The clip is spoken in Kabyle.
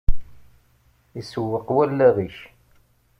Isewweq wallaɣ-ik.